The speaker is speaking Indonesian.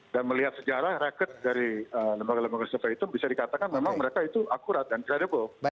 dan melihat sejarah record dari lembaga lembaga survei itu bisa dikatakan memang mereka itu akurat dan credible